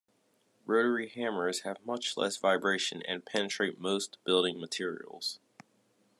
Rotary hammers have much less vibration and penetrate most building materials.